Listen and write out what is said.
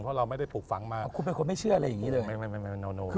เพราะเราไม่ได้ปลูกฝังมาคุณเป็นคนไม่เชื่ออะไรอย่างนี้เลย